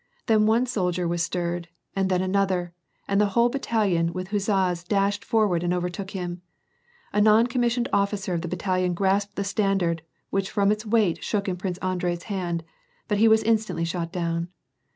Then one soldier was stirred, and then another, and the whole battalion with huzzas dashed forward and overtook him. A non commis sioned officer of the battalion grasped the standard, whieii from its weight shook in Prince Andrei's hand, but he was instantly shot down.